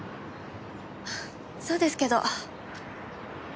そうですけど。